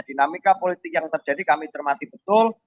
dinamika politik yang terjadi kami cermati betul